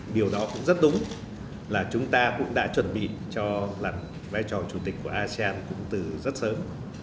điều đó cũng rất đúng là chúng ta cũng đã chuẩn bị cho vai trò chủ tịch của asean cũng từ rất sớm